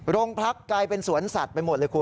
โรงพักกลายเป็นสวนสัตว์ไปหมดเลยคุณ